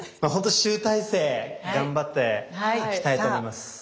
ほんと集大成頑張っていきたいと思います。